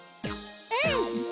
うん！